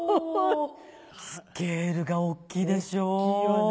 スケールがおっきいでしょう。